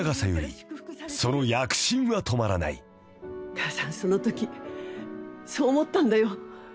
母さんそのときそう思ったんだよ。